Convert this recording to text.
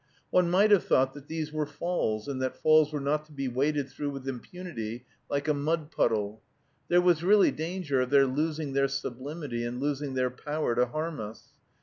One might have thought that these were falls, and that falls were not to be waded through with impunity, like a mud puddle. There was really danger of their losing their sublimity in losing their power to harm us.